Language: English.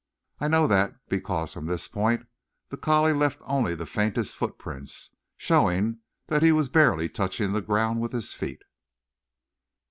I know that because from this point the collie left only the faintest footprints, showing that he was barely touching the ground with his feet."